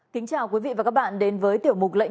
kính chào quý vị và các bạn đến với tiểu mục lệnh